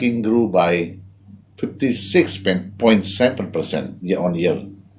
meningkatkan lima puluh enam tujuh setiap tahun